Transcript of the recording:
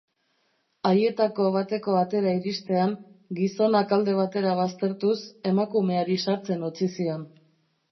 Haietako bateko atera iristean, gizonak alde batera baztertuz emakumeari sartzen utzi zion.